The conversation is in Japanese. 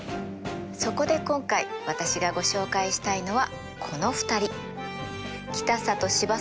そこで今回私がご紹介したいのはこの２人。